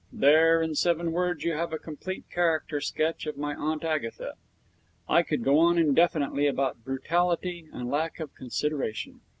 There in seven words you have a complete character sketch of my Aunt Agatha. I could go on indefinitely about brutality and lack of consideration.